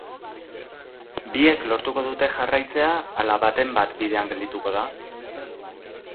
Biek lortuko dute jarraitzea ala baten bat bidean geldituko da?